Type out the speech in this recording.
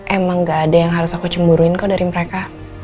emang gak ada yang harus aku cemburuin kok dari mereka